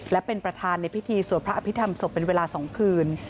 และเป็นประธานในพิธีสวดพระอภิษฐรรมศพเป็นเวลา๒คืน